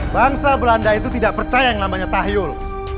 bangsa belanda itu tidak percaya yang namanya tahyul